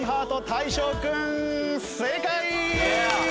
大昇君正解！